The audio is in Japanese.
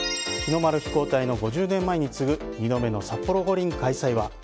日の丸飛行隊の５０年前に次ぐ２度目の札幌五輪開催は？